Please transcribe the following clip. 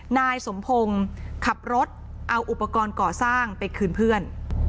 นายสมพงศ์ขับรถเอาอุปกรณ์ก่อสร้างไปคืนเพื่อน